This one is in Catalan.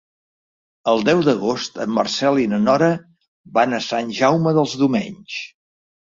El deu d'agost en Marcel i na Nora van a Sant Jaume dels Domenys.